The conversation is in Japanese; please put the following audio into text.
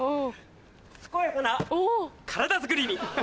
健やかな体づくりに。